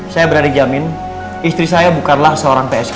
saya berani jamin istri saya bukanlah seorang psi